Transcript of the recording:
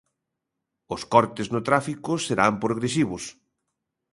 Os cortes no tráfico serán progresivos.